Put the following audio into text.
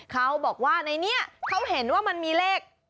เขาบอกว่าในนี้เขาเห็นว่ามันมีเลข